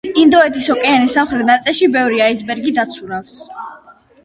ინდოეთის ოკეანის სამხრეთ ნაწილში ბევრი აისბერგი დაცურავს.